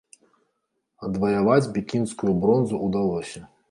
Адваяваць пекінскую бронзу ўдалося.